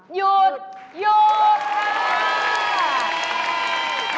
หยุดหยุดค่ะ